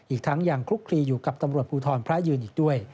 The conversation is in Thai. อีกทั้งยังคลุกคลีอยู่กับตำรวจภูทรพระยืนอีกด้วย